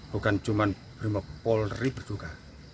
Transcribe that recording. bukan cuma brimob polri berduka